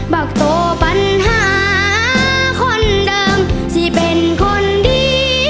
บอกโตปัญหาคนเดิมที่เป็นคนดี